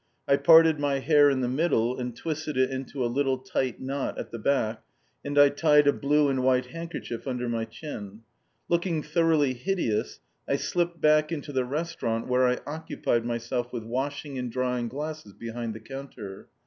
I parted my hair in the middle and twisted it into a little tight knot at the back, and I tied a blue and white handkerchief under my chin. Looking thoroughly hideous I slipped back into the restaurant where I occupied myself with washing and drying glasses behind the counter.